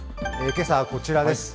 けさはこちらです。